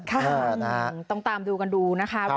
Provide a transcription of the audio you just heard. ต้องตามดูกันดูนะคะ